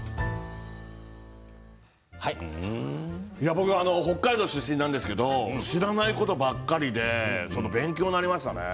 僕、北海道出身なんですけれども知らないことばっかりで勉強になりましたね。